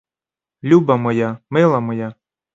Люба моя, мила моя!